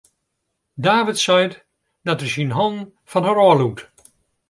David seit dat er syn hannen fan har ôflûkt.